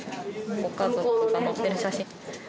ご家族が載っている写真。